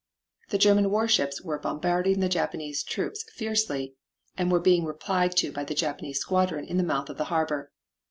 The German warships were bombarding the Japanese troops fiercely, and were being replied to by the Japanese squadron in the mouth of the harbor.